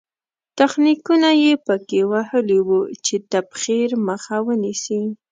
تخنیکونه یې په کې وهلي وو چې تبخیر مخه ونیسي.